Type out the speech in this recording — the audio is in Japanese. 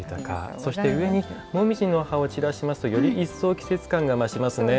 そして、上にモミジの葉を散らしますとより一層、季節感が増しますね。